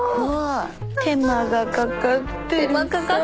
手間がかかってるさ。